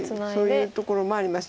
そういうところもあります。